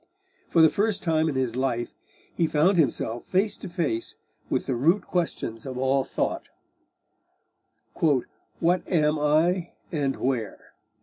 For the first time in his life he found himself face to face with the root questions of all thought 'What am I, and where?